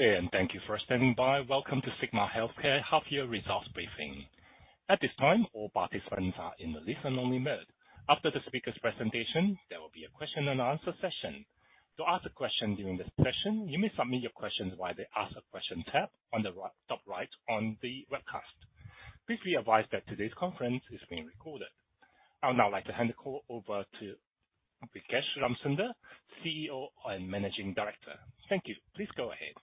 Hey, and thank you for standing by. Welcome to Sigma Healthcare half year results briefing. At this time, all participants are in the listen-only mode. After the speaker's presentation, there will be a question and answer session. To ask a question during this session, you may submit your questions via the Ask a Question tab on the top right on the webcast. Please be advised that today's conference is being recorded. I would now like to hand the call over to Vikesh Ramsunder, CEO and Managing Director. Thank you. Please go ahead.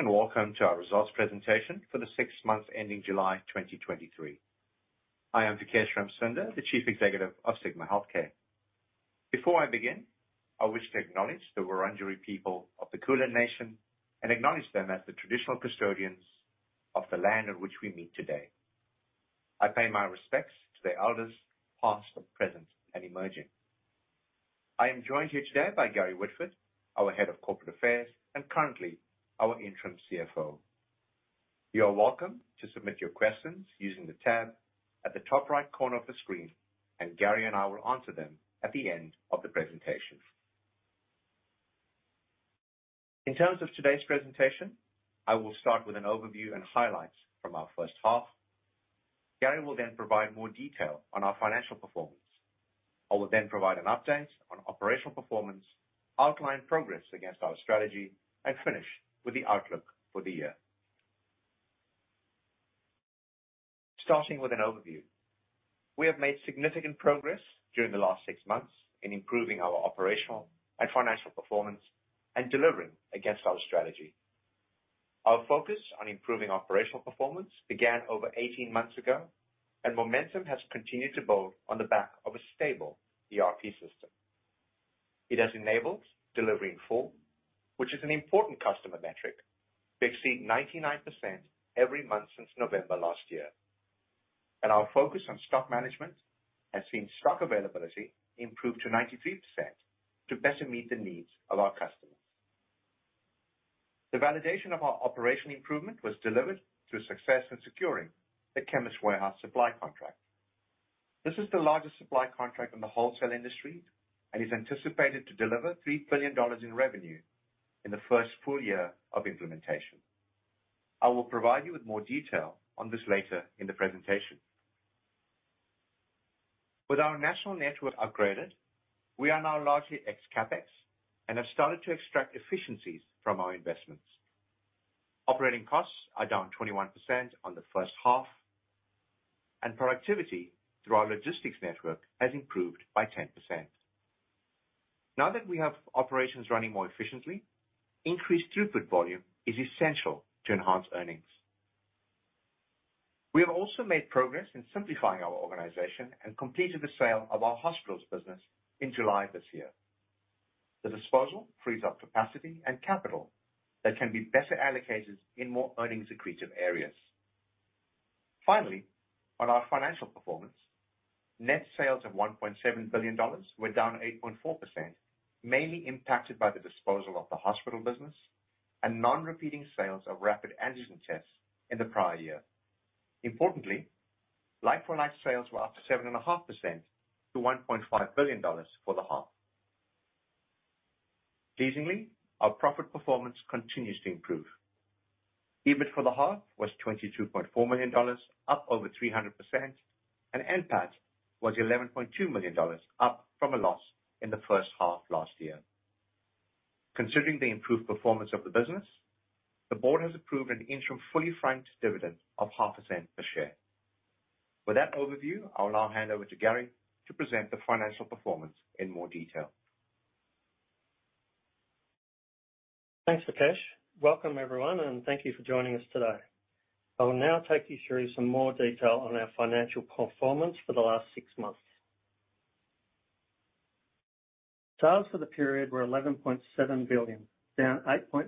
Welcome to our results presentation for the six months ending July 2023. I am Vikesh Ramsunder, the Chief Executive of Sigma Healthcare. Before I begin, I wish to acknowledge the Wurundjeri people of the Kulin Nation, and acknowledge them as the Traditional Custodians of the land on which we meet today. I pay my respects to the Elders, past, present, and emerging. I am joined here today by Gary Woodford, our Head of Corporate Affairs, and currently our interim CFO. You are welcome to submit your questions using the tab at the top right corner of the screen, and Gary and I will answer them at the end of the presentation. In terms of today's presentation, I will start with an overview and highlights from our first half. Gary will then provide more detail on our financial performance. I will then provide an update on operational performance, outline progress against our strategy, and finish with the outlook for the year. Starting with an overview. We have made significant progress during the last 6 months in improving our operational and financial performance, and delivering against our strategy. Our focus on improving operational performance began over 18 months ago, and momentum has continued to build on the back of a stable ERP system. It has enabled delivery in full, which is an important customer metric, we've exceeded 99% every month since November last year. Our focus on stock management has seen stock availability improve to 93% to better meet the needs of our customers. The validation of our operational improvement was delivered through success in securing the Chemist Warehouse supply contract. This is the largest supply contract in the wholesale industry, and is anticipated to deliver 3 billion dollars in revenue in the first full year of implementation. I will provide you with more detail on this later in the presentation. With our national network upgraded, we are now largely ex-CapEx and have started to extract efficiencies from our investments. Operating costs are down 21% on the first half, and productivity through our logistics network has improved by 10%. Now that we have operations running more efficiently, increased throughput volume is essential to enhance earnings. We have also made progress in simplifying our organization and completed the sale of our hospitals business in July this year. The disposal frees up capacity and capital that can be better allocated in more earnings-accretive areas. Finally, on our financial performance, net sales of 1.7 billion dollars were down 8.4%, mainly impacted by the disposal of the hospital business and non-repeating sales of rapid antigen tests in the prior year. Importantly, like-for-like sales were up 7.5% to 1.5 billion dollars for the half. Pleasingly, our profit performance continues to improve. EBIT for the half was 22.4 million dollars, up over 300%, and NPAT was 11.2 million dollars, up from a loss in the first half last year. Considering the improved performance of the business, the Board has approved an interim fully franked dividend of AUD 0.005 per share. With that overview, I'll now hand over to Gary to present the financial performance in more detail. Thanks, Vikesh. Welcome, everyone, and thank you for joining us today. I will now take you through some more detail on our financial performance for the last six months. Sales for the period were 11.7 billion, down 8.4%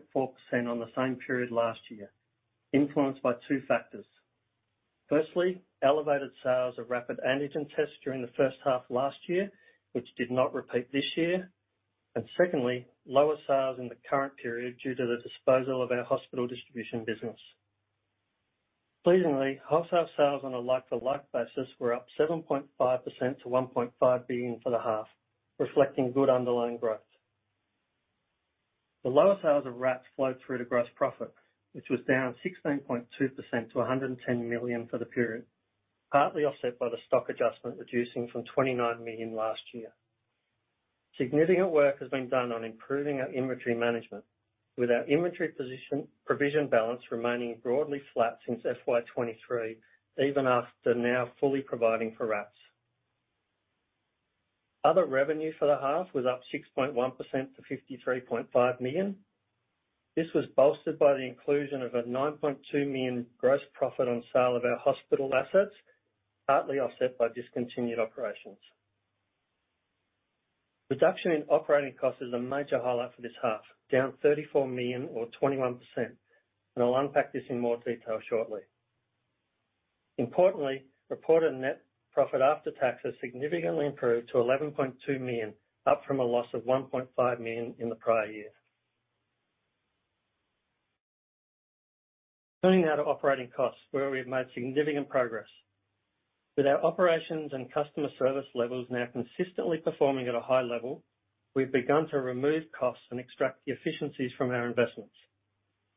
on the same period last year, influenced by two factors. Firstly, elevated sales of rapid antigen tests during the first half last year, which did not repeat this year. And secondly, lower sales in the current period due to the disposal of our hospital distribution business. Pleasingly, wholesale sales on a like-to-like basis were up 7.5% to 1.5 billion for the half, reflecting good underlying growth. The lower sales of RATs flowed through to gross profit, which was down 16.2% to 110 million for the period, partly offset by the stock adjustment, reducing from 29 million last year. Significant work has been done on improving our inventory management, with our inventory position-provision balance remaining broadly flat since FY 2023, even after now fully providing for RATs. Other revenue for the half was up 6.1% to 53.5 million. This was bolstered by the inclusion of a 9.2 million gross profit on sale of our hospital assets, partly offset by discontinued operations. Reduction in operating costs is a major highlight for this half, down 34 million or 21%, and I'll unpack this in more detail shortly. Importantly, reported net profit after tax has significantly improved to 11.2 million, up from a loss of 1.5 million in the prior year. Turning now to operating costs, where we have made significant progress. With our operations and customer service levels now consistently performing at a high level, we've begun to remove costs and extract the efficiencies from our investments.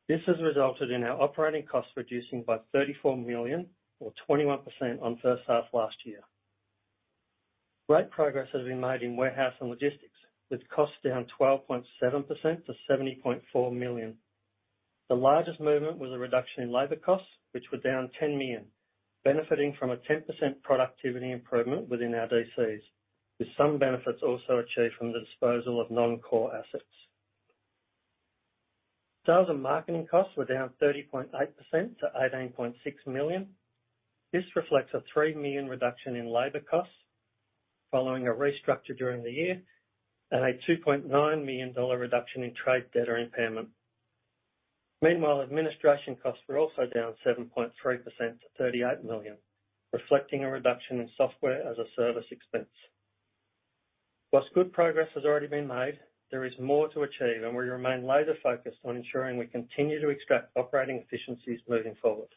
This has resulted in our operating costs reducing by 34 million, or 21% on first half last year. Great progress has been made in warehouse and logistics, with costs down 12.7% to 70.4 million. The largest movement was a reduction in labor costs, which were down 10 million, benefiting from a 10% productivity improvement within our DCs, with some benefits also achieved from the disposal of non-core assets. Sales and marketing costs were down 30.8% to 18.6 million. This reflects a 3 million reduction in labor costs following a restructure during the year, and a 2.9 million dollar reduction in trade debtor impairment. Meanwhile, administration costs were also down 7.3% to 38 million, reflecting a reduction in software as a service expense. Whilst good progress has already been made, there is more to achieve, and we remain laser focused on ensuring we continue to extract operating efficiencies moving forward.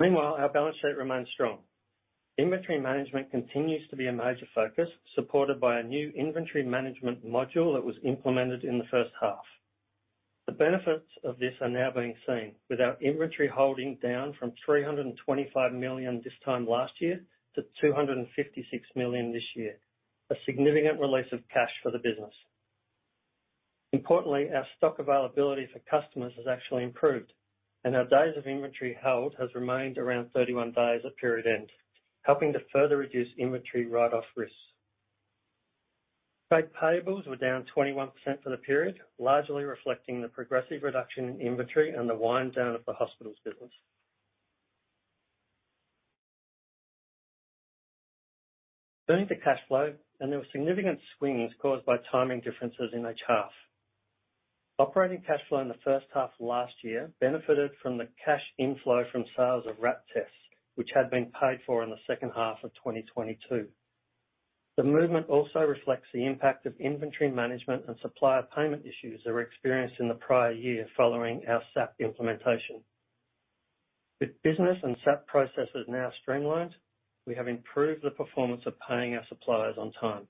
Meanwhile, our balance sheet remains strong. Inventory management continues to be a major focus, supported by a new inventory management module that was implemented in the first half. The benefits of this are now being seen, with our inventory holding down from 325 million this time last year to 256 million this year, a significant release of cash for the business. Importantly, our stock availability for customers has actually improved, and our days of inventory held has remained around 31 days at period end, helping to further reduce inventory write-off risks. Trade payables were down 21% for the period, largely reflecting the progressive reduction in inventory and the wind down of the hospitals business. Turning to cash flow, there were significant swings caused by timing differences in each half. Operating cash flow in the first half of last year benefited from the cash inflow from sales of RAT tests, which had been paid for in the second half of 2022. The movement also reflects the impact of inventory management and supplier payment issues that were experienced in the prior year following our SAP implementation. With business and SAP processes now streamlined, we have improved the performance of paying our suppliers on time.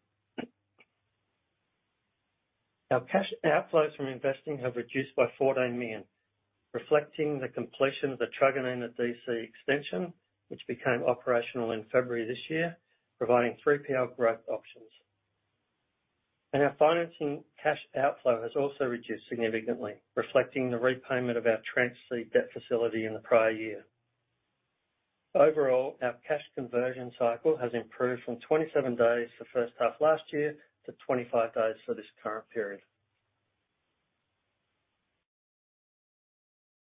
Our cash outflows from investing have reduced by 14 million, reflecting the completion of the Truganina DC extension, which became operational in February this year, providing 3PL growth options. Our financing cash outflow has also reduced significantly, reflecting the repayment of our Tranche B debt facility in the prior year. Overall, our cash conversion cycle has improved from 27 days the first half last year to 25 days for this current period.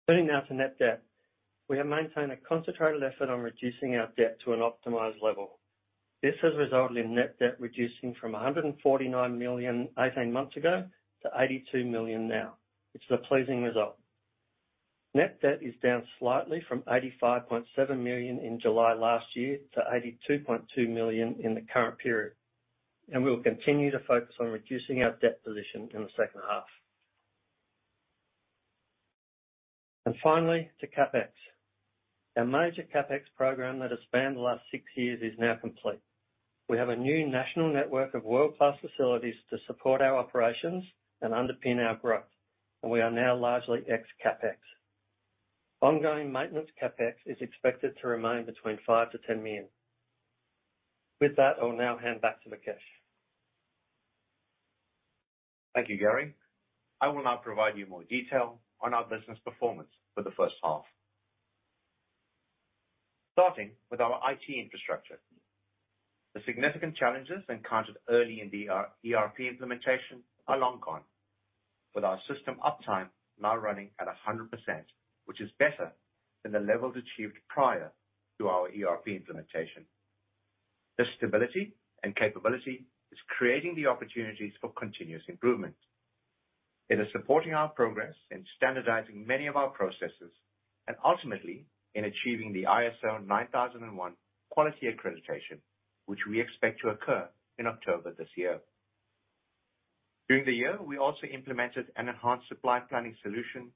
Turning now to net debt. We have maintained a concentrated effort on reducing our debt to an optimized level. This has resulted in net debt reducing from 149 million eighteen months ago to 82 million now, which is a pleasing result. Net debt is down slightly from 85.7 million in July last year to 82.2 million in the current period, and we will continue to focus on reducing our debt position in the second half. Finally, to CapEx. Our major CapEx program that has spanned the last six years is now complete. We have a new national network of world-class facilities to support our operations and underpin our growth, and we are now largely ex CapEx. Ongoing maintenance CapEx is expected to remain between 5 million-10 million. With that, I'll now hand back to Vikesh. Thank you, Gary. I will now provide you more detail on our business performance for the first half. Starting with our IT infrastructure. The significant challenges encountered early in the ERP implementation are long gone, with our system uptime now running at 100%, which is better than the levels achieved prior to our ERP implementation. This stability and capability is creating the opportunities for continuous improvement. It is supporting our progress in standardizing many of our processes, and ultimately in achieving the ISO 9001 quality accreditation, which we expect to occur in October this year. During the year, we also implemented an enhanced supply planning solution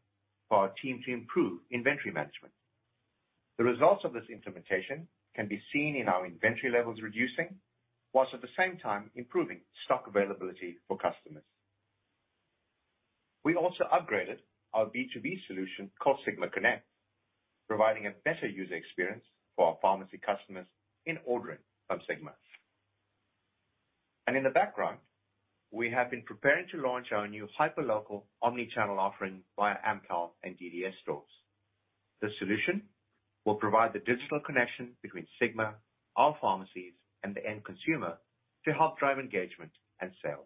for our team to improve inventory management. The results of this implementation can be seen in our inventory levels, reducing, while at the same time improving stock availability for customers. We also upgraded our B2B solution, called Sigma Connect, providing a better user experience for our pharmacy customers in ordering from Sigma. In the background, we have been preparing to launch our new hyper local omni-channel offering via Amcal and DDS stores. This solution will provide the digital connection between Sigma, our pharmacies, and the end consumer, to help drive engagement and sales.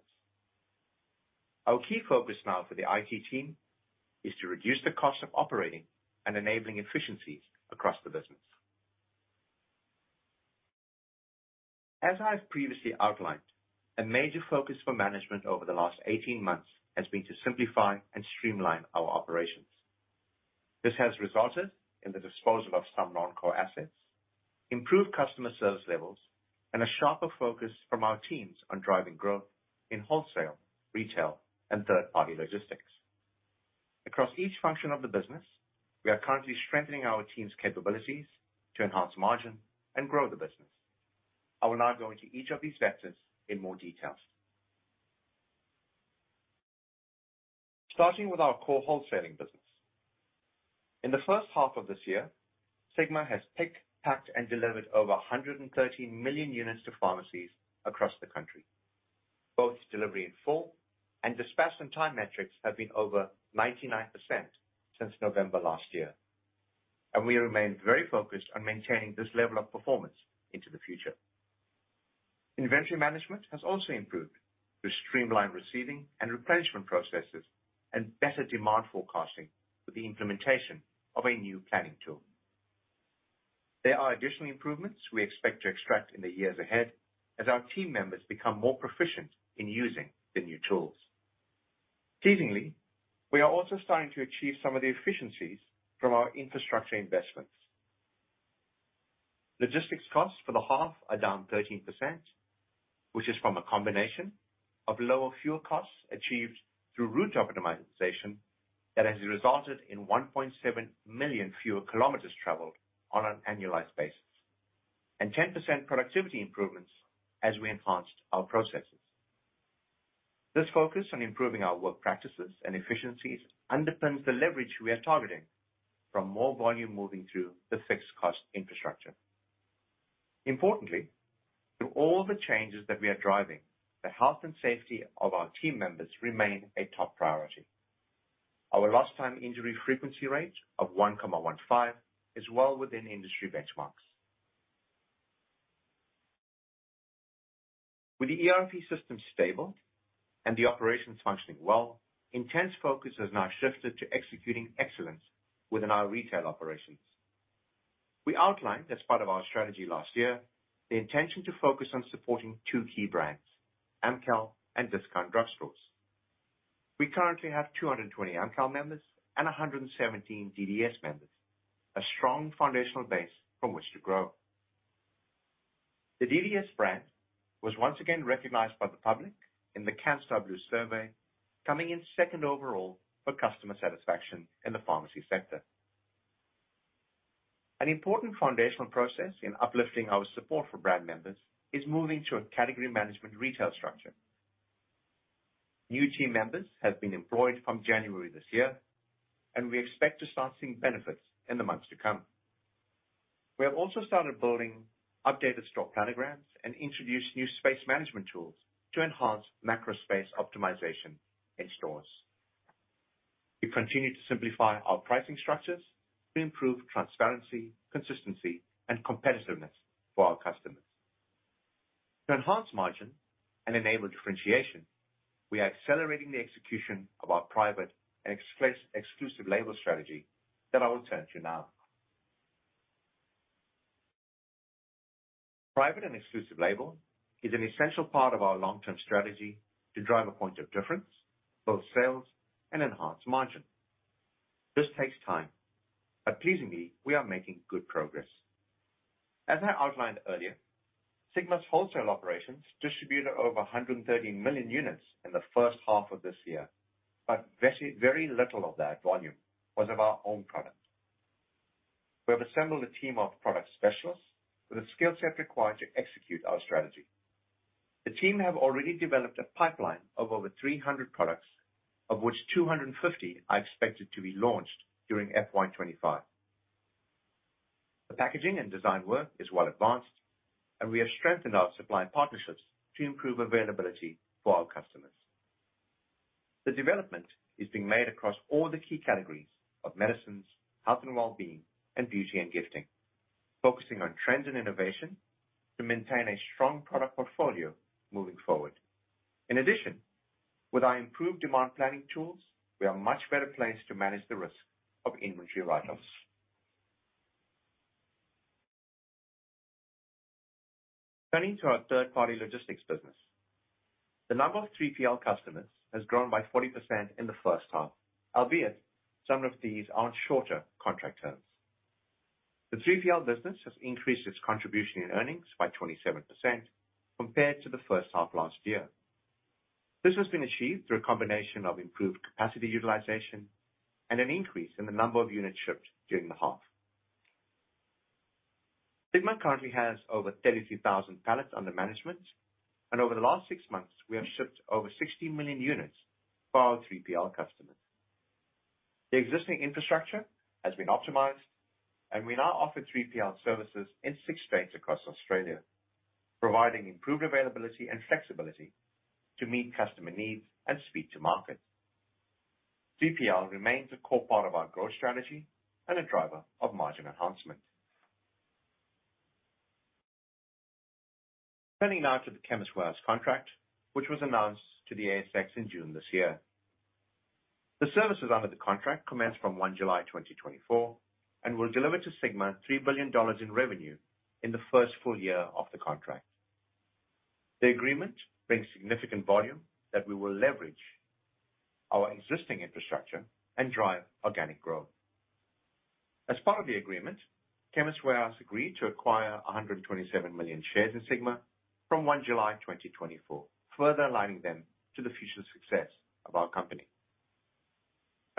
Our key focus now for the IT team is to reduce the cost of operating and enabling efficiencies across the business. As I've previously outlined, a major focus for management over the last 18 months has been to simplify and streamline our operations. This has resulted in the disposal of some non-core assets, improved customer service levels, and a sharper focus from our teams on driving growth in wholesale, retail, and third-party logistics. Across each function of the business, we are currently strengthening our team's capabilities to enhance margin and grow the business. I will now go into each of these vectors in more details. Starting with our core wholesaling business. In the first half of this year, Sigma has picked, packed, and delivered over 113 million units to pharmacies across the country. Both delivery in full and dispatch on time metrics have been over 99% since November last year, and we remain very focused on maintaining this level of performance into the future. Inventory management has also improved through streamlined receiving and replenishment processes, and better demand forecasting with the implementation of a new planning tool. There are additional improvements we expect to extract in the years ahead as our team members become more proficient in using the new tools. Pleasingly, we are also starting to achieve some of the efficiencies from our infrastructure investments. Logistics costs for the half are down 13%, which is from a combination of lower fuel costs achieved through route optimization, that has resulted in 1.7 million fewer kilometers traveled on an annualized basis, and 10% productivity improvements as we enhanced our processes. This focus on improving our work practices and efficiencies underpins the leverage we are targeting from more volume moving through the fixed cost infrastructure. Importantly, through all the changes that we are driving, the health and safety of our team members remain a top priority. Our lost time injury frequency rate of 1.15 is well within industry benchmarks. With the ERP system stable and the operations functioning well, intense focus has now shifted to executing excellence within our retail operations. We outlined, as part of our strategy last year, the intention to focus on supporting two key brands, Amcal and Discount Drug Stores. We currently have 220 Amcal members and 117 DDS members, a strong foundational base from which to grow. The DDS brand was once again recognized by the public in the Canstar Blue survey, coming in second overall for customer satisfaction in the pharmacy sector. An important foundational process in uplifting our support for brand members is moving to a category management retail structure. New team members have been employed from January this year, and we expect to start seeing benefits in the months to come. We have also started building updated store planograms and introduced new space management tools to enhance macro space optimization in stores. We continue to simplify our pricing structures to improve transparency, consistency, and competitiveness for our customers. To enhance margin and enable differentiation, we are accelerating the execution of our private and exclusive label strategy that I will turn to now. Private and exclusive label is an essential part of our long-term strategy to drive a point of difference, both sales and enhance margin. This takes time, but pleasingly, we are making good progress. As I outlined earlier, Sigma's wholesale operations distributed over 130 million units in the first half of this year, but very little of that volume was of our own product. We have assembled a team of product specialists with the skill set required to execute our strategy. The team have already developed a pipeline of over 300 products, of which 250 are expected to be launched during FY 2025. The packaging and design work is well advanced, and we have strengthened our supply partnerships to improve availability for our customers. The development is being made across all the key categories of medicines, health and wellbeing, and beauty and gifting, focusing on trends and innovation to maintain a strong product portfolio moving forward. In addition, with our improved demand planning tools, we are much better placed to manage the risk of inventory write-offs. Turning to our third-party logistics business. The number of 3PL customers has grown by 40% in the first half, albeit some of these are on shorter contract terms. The 3PL business has increased its contribution in earnings by 27% compared to the first half last year. This has been achieved through a combination of improved capacity utilization and an increase in the number of units shipped during the half. Sigma currently has over 33,000 pallets under management, and over the last 6 months, we have shipped over 16 million units for our 3PL customers. The existing infrastructure has been optimized, and we now offer 3PL services in 6 states across Australia, providing improved availability and flexibility to meet customer needs and speed to market. 3PL remains a core part of our growth strategy and a driver of margin enhancement. Turning now to the Chemist Warehouse contract, which was announced to the ASX in June this year. The services under the contract commenced from 1 July 2024, and will deliver to Sigma 3 billion dollars in revenue in the first full year of the contract. The agreement brings significant volume that we will leverage our existing infrastructure and drive organic growth. As part of the agreement, Chemist Warehouse agreed to acquire 127 million shares in Sigma from 1 July 2024, further aligning them to the future success of our company.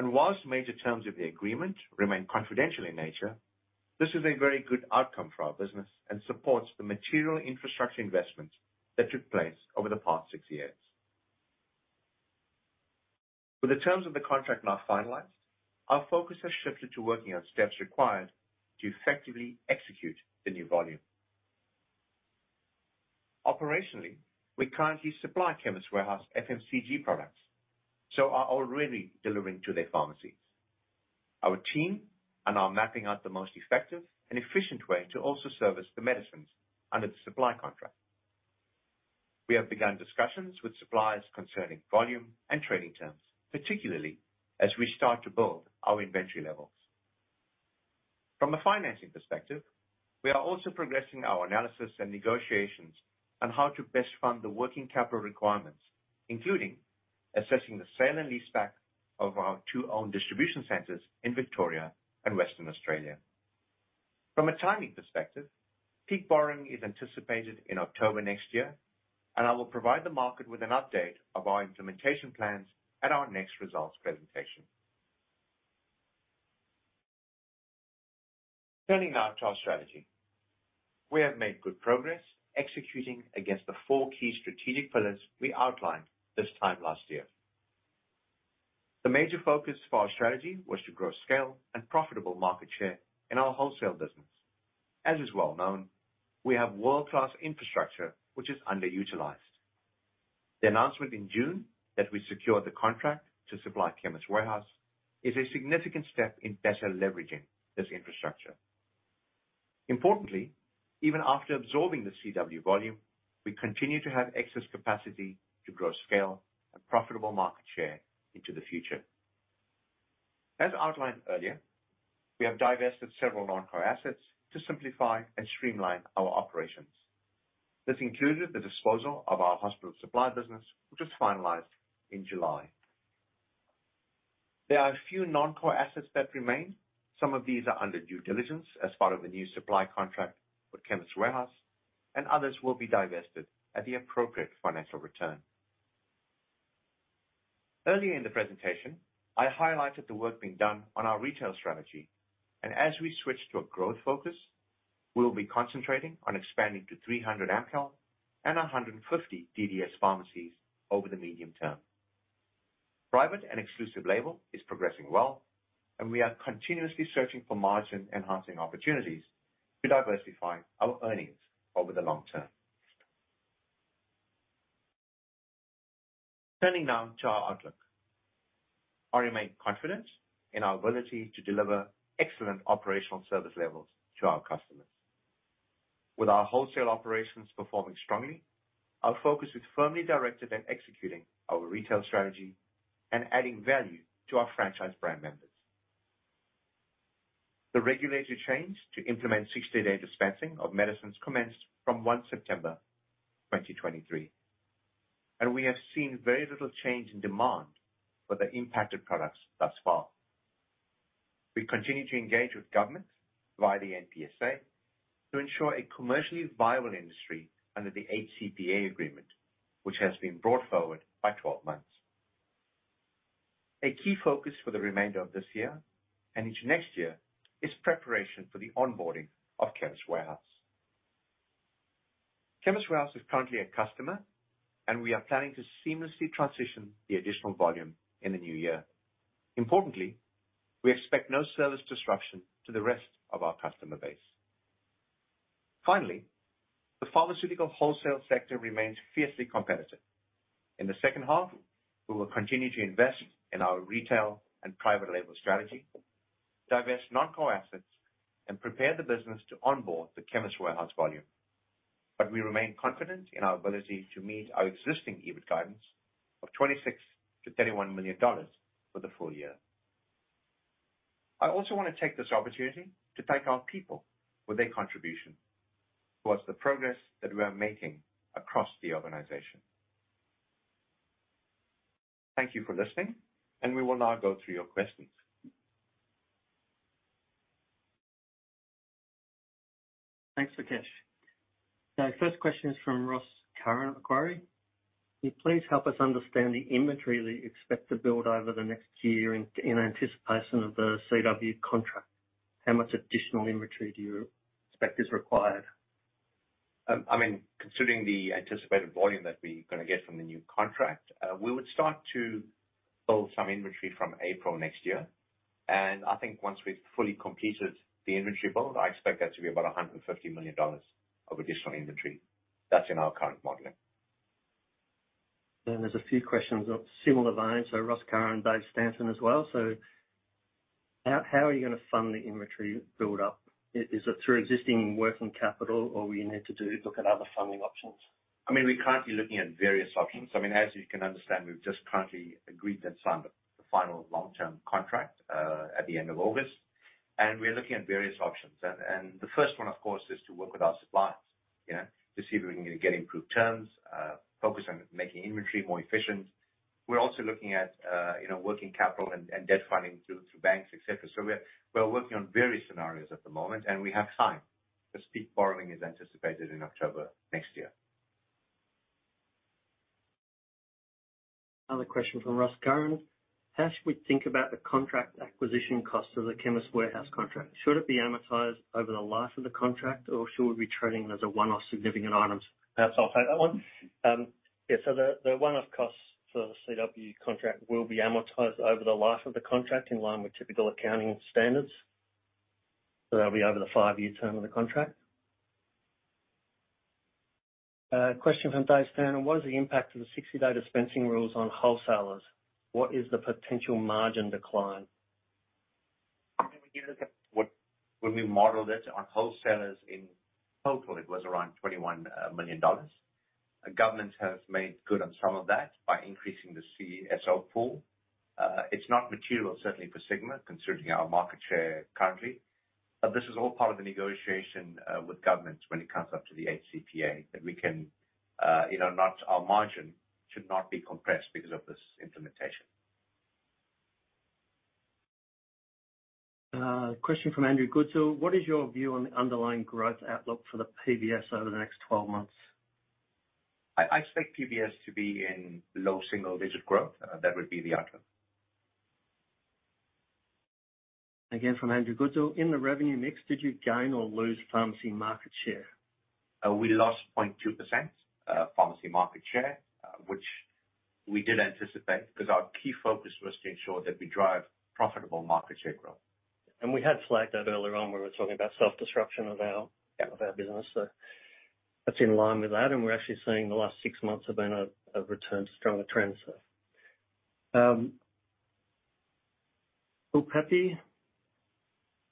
While major terms of the agreement remain confidential in nature, this is a very good outcome for our business and supports the material infrastructure investments that took place over the past six years. With the terms of the contract now finalized, our focus has shifted to working on steps required to effectively execute the new volume. Operationally, we currently supply Chemist Warehouse FMCG products, so are already delivering to their pharmacies. Our team are now mapping out the most effective and efficient way to also service the medicines under the supply contract. We have begun discussions with suppliers concerning volume and trading terms, particularly as we start to build our inventory levels. From a financing perspective, we are also progressing our analysis and negotiations on how to best fund the working capital requirements, including assessing the sale and leaseback of our two owned distribution centers in Victoria and Western Australia. From a timing perspective, peak borrowing is anticipated in October next year, and I will provide the market with an update of our implementation plans at our next results presentation. Turning now to our strategy. We have made good progress executing against the four key strategic pillars we outlined this time last year. The major focus for our strategy was to grow scale and profitable market share in our wholesale business. As is well known, we have world-class infrastructure, which is underutilized. The announcement in June that we secured the contract to supply Chemist Warehouse is a significant step in better leveraging this infrastructure. Importantly, even after absorbing the CW volume, we continue to have excess capacity to grow scale and profitable market share into the future. As outlined earlier, we have divested several non-core assets to simplify and streamline our operations. This included the disposal of our hospital supply business, which was finalized in July. There are a few non-core assets that remain. Some of these are under due diligence as part of a new supply contract with Chemist Warehouse, and others will be divested at the appropriate financial return. Earlier in the presentation, I highlighted the work being done on our retail strategy, and as we switch to a growth focus, we will be concentrating on expanding to 300 Amcal and 150 DDS pharmacies over the medium term. Private and exclusive label is progressing well, and we are continuously searching for margin-enhancing opportunities to diversify our earnings over the long term. Turning now to our outlook. I remain confident in our ability to deliver excellent operational service levels to our customers. With our wholesale operations performing strongly, our focus is firmly directed at executing our retail strategy and adding value to our franchise brand members. The regulatory change to implement 60-day dispensing of medicines commenced from 1 September 2023, and we have seen very little change in demand for the impacted products thus far. We continue to engage with governments via the NPSA to ensure a commercially viable industry under the 8CPA agreement, which has been brought forward by 12 months. A key focus for the remainder of this year and into next year is preparation for the onboarding of Chemist Warehouse. Chemist Warehouse is currently a customer, and we are planning to seamlessly transition the additional volume in the new year. Importantly, we expect no service disruption to the rest of our customer base. Finally, the pharmaceutical wholesale sector remains fiercely competitive. BIn the second half, we will continue to invest in our retail and private label strategy, divest non-core assets, and prepare the business to onboard the Chemist Warehouse volume. But we remain confident in our ability to meet our existing EBIT guidance of 26 million-31 million dollars for the full year. I also want to take this opportunity to thank our people for their contribution towards the progress that we are making across the organization. Thank you for listening, and we will now go through your questions. Thanks, Vikesh. Now, first question is from Ross Curran, Macquarie. Can you please help us understand the inventory that you expect to build over the next year in anticipation of the CW contract? How much additional inventory do you expect is required? I mean, considering the anticipated volume that we're gonna get from the new contract, we would start to build some inventory from April next year. And I think once we've fully completed the inventory build, I expect that to be about 150 million dollars of additional inventory. That's in our current modeling. Then there's a few questions of similar vein, so Ross Curran, David Stanton as well. So how, how are you gonna fund the inventory build-up? Is it through existing working capital, or will you need to do... look at other funding options? I mean, we're currently looking at various options. I mean, as you can understand, we've just currently agreed and signed the final long-term contract at the end of August. And we're looking at various options. And the first one, of course, is to work with our suppliers, yeah? To see if we can get improved terms, focus on making inventory more efficient. We're also looking at, you know, working capital and debt funding through banks, et cetera. So we are working on various scenarios at the moment, and we have signed. The peak borrowing is anticipated in October next year. Another question from Ross Curran: How should we think about the contract acquisition cost of the Chemist Warehouse contract? Should it be amortized over the life of the contract, or should we be treating it as a one-off significant item? So I'll take that one. Yeah, so the one-off costs for the CW contract will be amortized over the life of the contract in line with typical accounting standards. So that'll be over the 5-year term of the contract. Question from Dave Turner: What is the impact of the 60-day dispensing rules on wholesalers? What is the potential margin decline? I think we gave it a... When we modeled it on wholesalers in total, it was around 21 million dollars. Governments have made good on some of that by increasing the CSO pool. It's not material, certainly for Sigma, considering our market share currently. But this is all part of the negotiation with governments when it comes up to the 8CPA, that we can, you know, not... Our margin should not be compressed because of this implementation. Question from Andrew Goodsall: What is your view on the underlying growth outlook for the PBS over the next 12 months? I expect PBS to be in low single-digit growth. That would be the outlook. Again, from Andrew Goodsall: In the revenue mix, did you gain or lose pharmacy market share? We lost 0.2% pharmacy market share, which we did anticipate, because our key focus was to ensure that we drive profitable market share growth. We had flagged that earlier on when we were talking about self-destruction of our- Yeah Of our business. So that's in line with that, and we're actually seeing the last six months have been a return to stronger trends. So, Philip Pepe: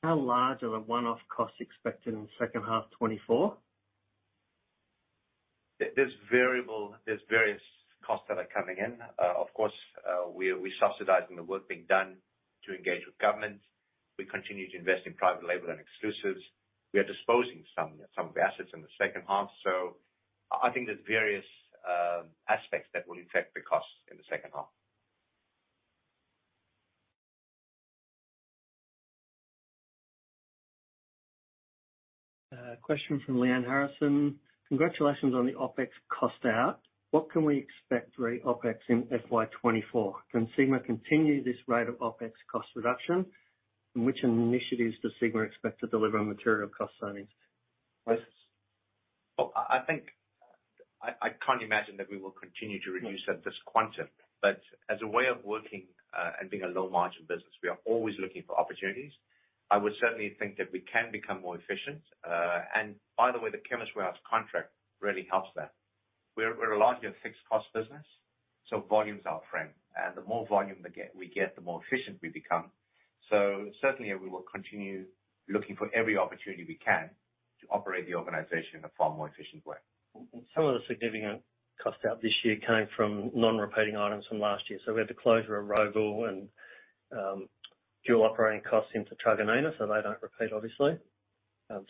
How large are the one-off costs expected in the second half 2024? There's various costs that are coming in. Of course, we're subsidizing the work being done to engage with government. We continue to invest in private label and exclusives. We are disposing some of the assets in the second half, so I think there's various aspects that will affect the costs in the second half. Question from Liane Harrison: Congratulations on the OpEx cost out. What can we expect re OpEx in FY 2024? Can Sigma continue this rate of OpEx cost reduction, and which initiatives does Sigma expect to deliver material cost savings? Well, I think I can't imagine that we will continue to reduce at this quantum. But as a way of working, and being a low-margin business, we are always looking for opportunities. I would certainly think that we can become more efficient. And by the way, the Chemist Warehouse contract really helps that. We're largely a fixed cost business, so volume's our friend. And the more volume we get, the more efficient we become. So certainly, we will continue looking for every opportunity we can to operate the organization in a far more efficient way. Some of the significant cost out this year came from non-repeating items from last year. So we had the closure of Rowville and dual operating costs into Truganina, so they don't repeat, obviously.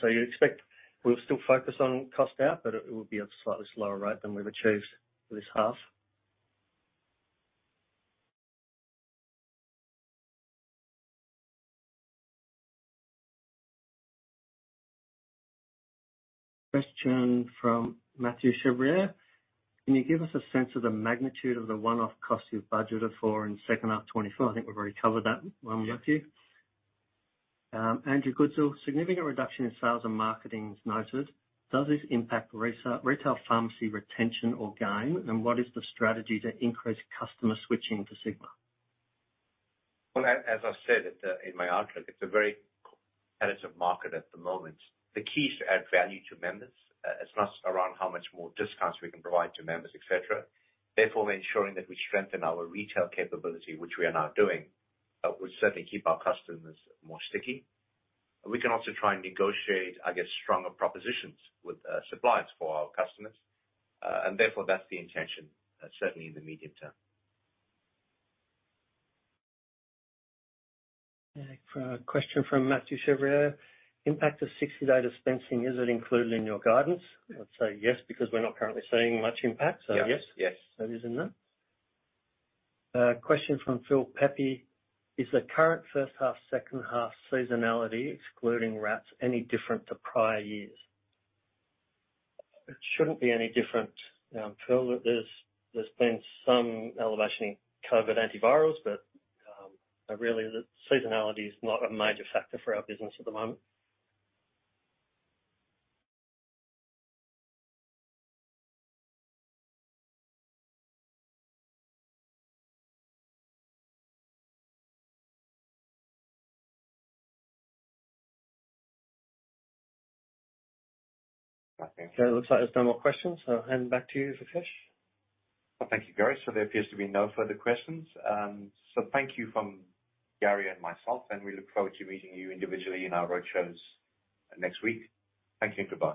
So you expect we'll still focus on cost out, but it will be at a slightly slower rate than we've achieved this half. Question from Mathieu Chevrier: Can you give us a sense of the magnitude of the one-off costs you've budgeted for in the second half of 2024? I think we've already covered that one, Mathieu. Yeah. Andrew Goodsall: Significant reduction in sales and marketing is noted. Does this impact retail pharmacy retention or gain, and what is the strategy to increase customer switching to Sigma? Well, as I've said in my outlook, it's a very competitive market at the moment. The key is to add value to members, as much around how much more discounts we can provide to members, et cetera. Therefore, ensuring that we strengthen our retail capability, which we are now doing, will certainly keep our customers more sticky. We can also try and negotiate, I guess, stronger propositions with suppliers for our customers. And therefore, that's the intention, certainly in the immediate term. Question from Mathieu Chevrier: Impact of 60-Day Dispensing, is it included in your guidance? I'd say yes, because we're not currently seeing much impact. Yeah. So yes. Yes. It is in there. Question from Phil Pepe: Is the current first half, second half seasonality, excluding RATs, any different to prior years? It shouldn't be any different, Phil. There's, there's been some elevation in COVID antivirals, but, really, the seasonality is not a major factor for our business at the moment. I think it looks like there's no more questions, so I'll hand it back to you, Vikesh. Well, thank you, Gary. So there appears to be no further questions. So thank you from Gary and myself, and we look forward to meeting you individually in our roadshows next week. Thank you and goodbye.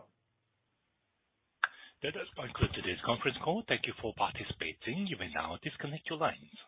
That does conclude today's conference call. Thank you for participating. You may now disconnect your lines.